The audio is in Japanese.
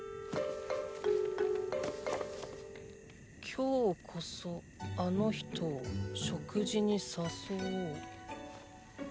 「今日こそあの人を食事に誘おう」。